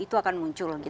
itu akan muncul gitu